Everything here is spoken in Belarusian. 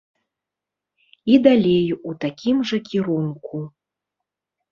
І далей у такім жа кірунку.